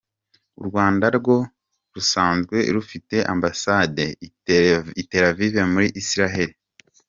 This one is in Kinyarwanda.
U Rwanda rwo rusanzwe rufite ambasade I Tel aviv muri Isiraheli.